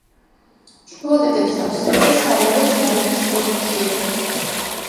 შუალედებს ავსებდა საველე ჯარების პოზიციები.